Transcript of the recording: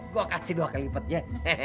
gue kasih dua kelipetnya